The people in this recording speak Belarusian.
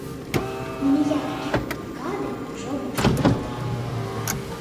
І ніякія барыкады ўжо больш не патрэбныя.